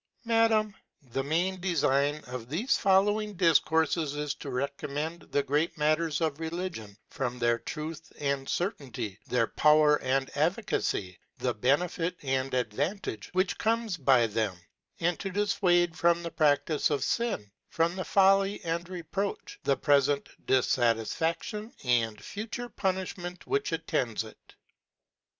^ Madam, The main defign of thefe follow ing Difcourfes is to recommend the great matters of Religion, from their Irutb and C^r taintj, their Vower and Efficacy, the Benefit and Advantage, which comes by them : And to diffwade from the Praftice of Sin, from the folly and reproach, the prefent di([atisfa^ion and fature punifiment which attends it.